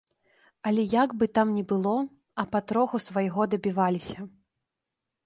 Але як бы там ні было, а патроху свайго дабіваліся.